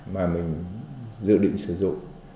mà mình dự định sử dụng